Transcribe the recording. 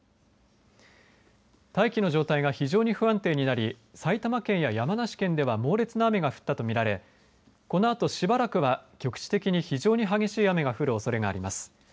大気の状態が非常に不安定になり埼玉県や山梨県では猛烈な雨が降ったと見られこのあと、しばらくは局地的に局地的に激しい雨が降るおそれがあります。